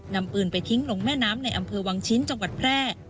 นำปืนไปทิ้งลงแม่น้ำในอำเภอวังชิ้นจังหวัดแพร่